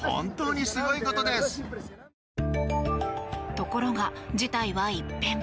ところが事態は一変。